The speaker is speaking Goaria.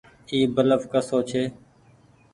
اي بلڦ ڪسو ڇي۔